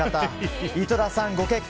井戸田さん、ご結婚